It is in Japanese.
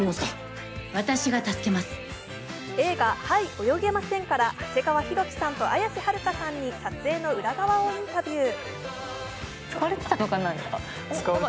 映画「はい、泳げません」から長谷川博己さんと綾瀬はるかさんに撮影の裏側をインタビュー。